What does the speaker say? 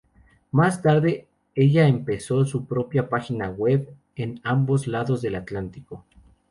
Más tarde, ella empezó su propia página web en ambos lados del Atlántico.